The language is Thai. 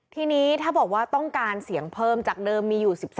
ทีนี้ถ้าบอกว่าต้องการเสียงเพิ่มจากเดิมมีอยู่๑๓